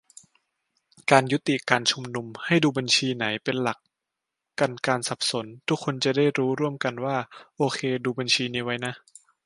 การยุติการชุมนุม ให้ดูบัญชีไหนเป็นหลัก กันการสับสน - ทุกคนจะได้รู้ร่วมกันว่า โอเค ดูบัญชีนี้ไว้นะ